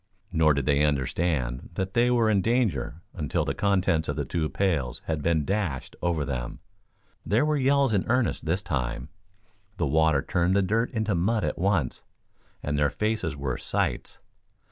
Nor did they understand that they were in danger until the contents of the two pails had been dashed over them. There were yells in earnest this time. The water turned the dirt into mud at once, and their faces were "sights."